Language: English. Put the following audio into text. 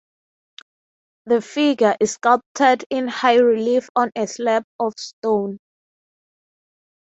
The figure is sculpted in high relief on a slab of stone.